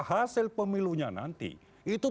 hasil pemilunya nanti itu